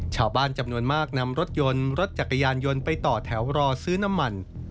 ชาวบ้านจำนวนมากนำรถยนต์รถจักรยานยนต์ไปต่อแถวรอซื้อน้ำมัน